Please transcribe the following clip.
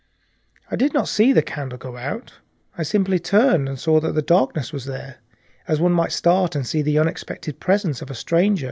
I did not see the candle go out, I simply turned and saw that the darkness was there, as one might start and see the unexpected presence of a stranger.